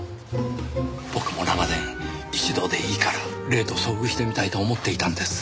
僕も長年一度でいいから霊と遭遇してみたいと思っていたんです。